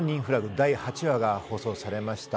第８話が放送されました。